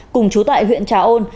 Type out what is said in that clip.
cùng chú tại huyện trà ôn